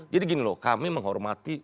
jadi gini loh kami menghormati